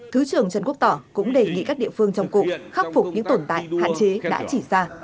thứ trưởng trần quốc tỏ cũng đề nghị các địa phương trong cụm khắc phục những tồn tại hạn chế đã chỉ ra